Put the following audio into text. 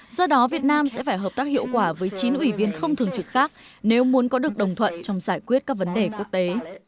do đó việt nam sẽ phải hợp tác hiệu quả với chín ủy viên không thường trực khác nếu muốn có được đồng thuận trong giải quyết các vấn đề quốc tế